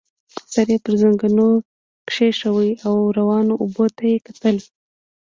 سر يې پر زنګنو کېښود او روانو اوبو ته يې کتل.